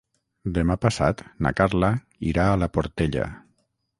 Demà passat na Carla irà a la Portella.